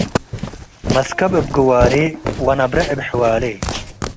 መስከብ እብ ግዋሬ ወነብረ እብ ሕዋሌ።